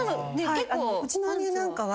うちの姉なんかは。